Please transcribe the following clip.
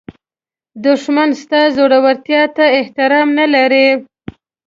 دښمن ستا زړورتیا ته احترام نه لري